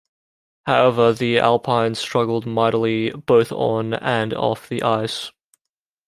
However, the Alpines struggled mightily both on and off the ice.